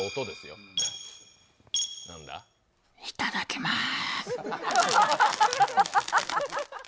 いただきまーす。